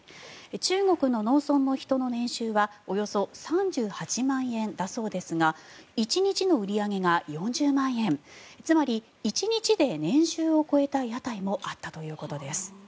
中国の農村の人の年収はおよそ３８万円だそうですが１日の売り上げが４０万円つまり１日で年収を超えた屋台もあったということです。